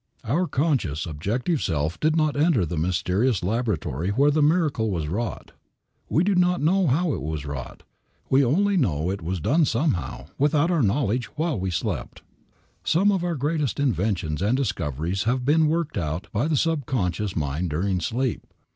Our conscious, objective self did not enter the mysterious laboratory where the miracle was wrought. We do not know how it was wrought. We only know that it was done somehow, without our knowledge, while we slept. Some of our greatest inventions and discoveries have been worked out by the subconscious mind during sleep.